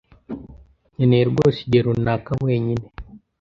Nkeneye rwose igihe runaka wenyine.